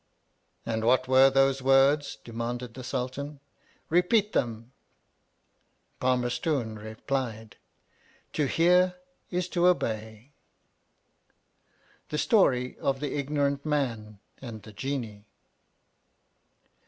And what were those words ? demanded the Sultan. Repeat them ! Parmarstoon replied, To hear is to obey : THE BTORT OF THE IGNORANT MAN AND THE GENIE.